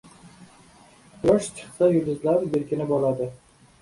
• Quyosh chiqsa yulduzlar berkinib oladi.